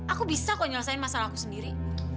aku bisa kok nyelesain masalah aku sendiri